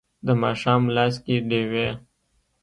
د ماښام لاس کې ډیوې